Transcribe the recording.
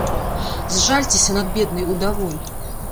Зжальцеся над беднай удавой!